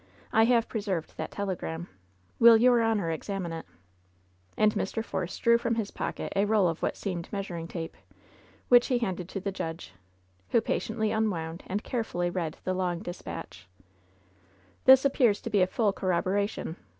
I have preserved that telegram. Will your honor examine it ?'* And Mr. Force drew from his pocket a roll of what seemed measuring tape, which he handed to the judge, who patiently imwound and carefully read the long dis patch. "This appears to be a full corroboration.